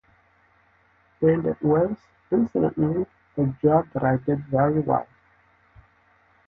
And it was, incidentally, a job that I did very well.